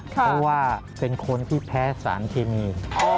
เพราะว่าเป็นคนที่แพ้สารเคมี